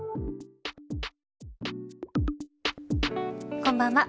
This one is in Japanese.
こんばんは。